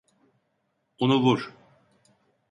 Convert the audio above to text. Onu vur.